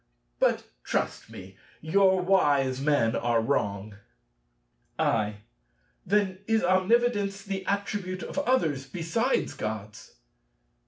But trust me, your wise men are wrong." I. Then is omnividence the attribute of others besides Gods?